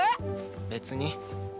別に。